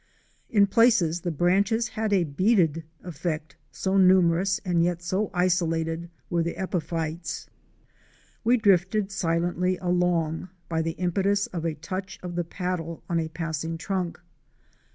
In places the branches had a beaded effect, so numerous and yet so isolated were the epiphytes. We drifted silently along, by the impetus of a touch of the paddle on a passing trunk.